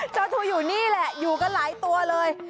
เจ้าตัวอยู่นี่แหละอยู่กันหลายตัวเลย